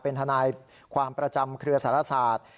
เป็นทนายความประจำเครือสารศาสตร์